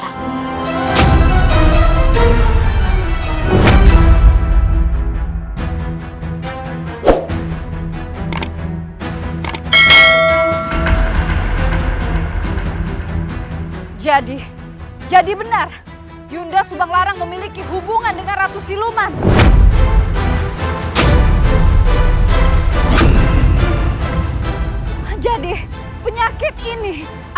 kau akan berhenti